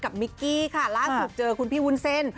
มิกกี้ค่ะล่าสุดเจอคุณพี่วุ้นเส้น